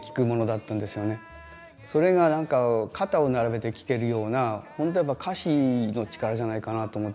それがなんか肩を並べて聴けるような本当にやっぱ歌詞の力じゃないかなと思って。